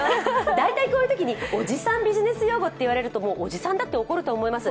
大体こういうときにおじさんビジネス用語って言われるとおじさんだって怒ると思います。